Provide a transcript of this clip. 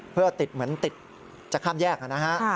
เพื่อติดเหมือนติดจะข้ามแยกนะฮะ